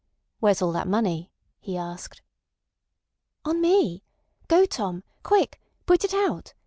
"Where's all that money?" he asked. "On me! Go, Tom. Quick! Put it out.